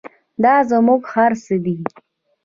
دا زموږ هر څه دی